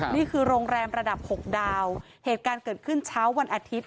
นี่คือโรงแรมระดับ๖ดาวเหตุการณ์เกิดขึ้นเช้าวันอาทิตย์